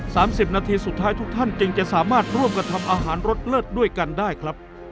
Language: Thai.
สิบนาทีสุดท้ายทุกท่านจึงจะสามารถร่วมกันทำอาหารรสเลิศด้วยกันได้ครับ